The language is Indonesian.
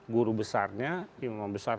guru besarnya imam besar